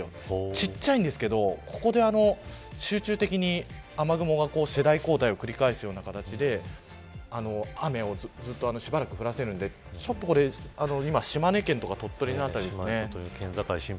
ちっちゃいんですけどここで集中的に雨雲が世代交代を繰り返すような形で雨をずっとしばらく降らせるので今、島根県とか鳥取の辺りですが。